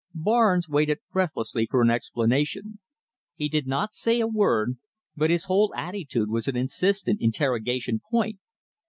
Barnes waited breathlessly for an explanation. He did not say a word, but his whole attitude was an insistent interrogation point.